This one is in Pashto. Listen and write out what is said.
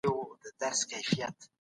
د ذمي وژل حرام دي.